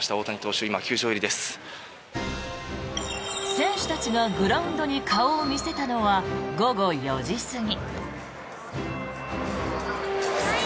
選手たちがグラウンドに顔を見せたのは午後４時過ぎ。